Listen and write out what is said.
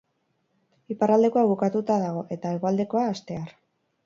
Iparraldekoa bukatuta dago, eta, hegoaldekoa, hastear.